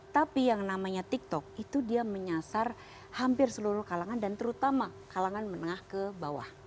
tapi yang namanya tiktok itu dia menyasar hampir seluruh kalangan dan terutama kalangan menengah ke bawah